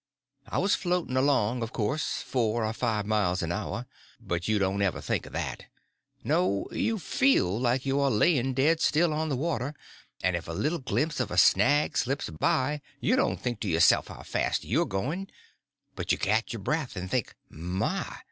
I was floating along, of course, four or five miles an hour; but you don't ever think of that. No, you feel like you are laying dead still on the water; and if a little glimpse of a snag slips by you don't think to yourself how fast you're going, but you catch your breath and think, my!